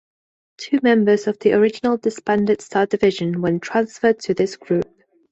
Two members of the original disbanded Star Division were transferred to this group.